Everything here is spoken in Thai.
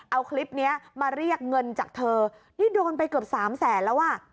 เอาคลิปเนี้ยมาเรียกเงินจากเธอนี่โดนไปเกือบสามแสนแล้วอ่ะ